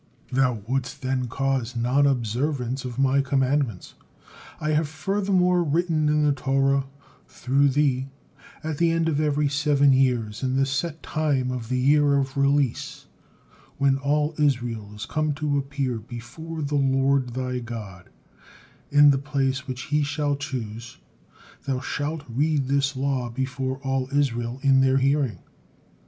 Thou wouldst then cause nonobservance of My commandments. I have, furthermore, written in the Torah through thee, 'At the end of every seven years, in the set time of the year of release, when all Israel is come to appear before the Lord thy God, in the place which He shall choose, thou shalt read this law before all Israel in their hearing.'